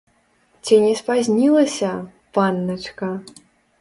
Ці не спазнілася, панначка?